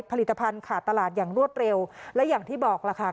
ผลิตภัณฑ์ขาดตลาดอย่างรวดเร็วและอย่างที่บอกล่ะค่ะ